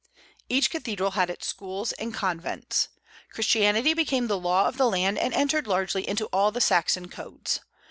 Each cathedral had its schools and convents. Christianity became the law of the land, and entered largely into all the Saxon codes.